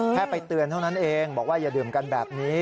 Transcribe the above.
แค่ไปเตือนเท่านั้นเองบอกว่าอย่าดื่มกันแบบนี้